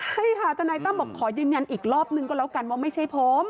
ใช่ค่ะทนายตั้มบอกขอยืนยันอีกรอบนึงก็แล้วกันว่าไม่ใช่ผม